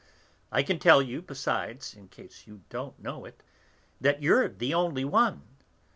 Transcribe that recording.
I can tell you, besides, in case you don't know it, that you're the only one.